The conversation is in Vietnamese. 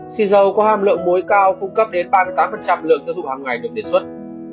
xì dầu có hàm lượng mối cao phung cấp đến ba mươi tám lượng tiêu dụng hằng ngày được đề xuất